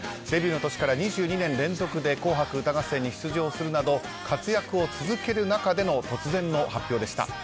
デビューの年から２２年連続で「紅白歌合戦」に出場するなど活躍を続ける中での突然の発表でした。